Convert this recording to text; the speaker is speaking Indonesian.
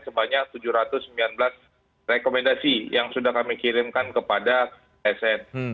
sebanyak tujuh ratus sembilan belas rekomendasi yang sudah kami kirimkan kepada asn